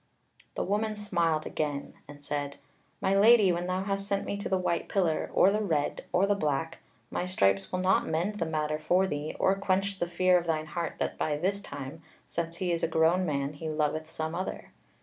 The woman smiled again, and said: "My Lady, when thou hast sent me to the White Pillar, or the Red, or the Black, my stripes will not mend the matter for thee, or quench the fear of thine heart that by this time, since he is a grown man, he loveth some other.